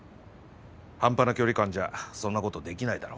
半端な距離感じゃそんなことできないだろ？